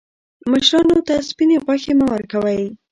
مشرانو ته سپیني غوښي مه ورکوئ.